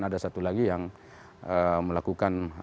ada satu lagi yang melakukan